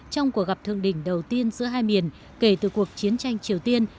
trong cuộc gặp thượng đỉnh đầu tiên giữa hai miền kể từ cuộc chiến tranh triều tiên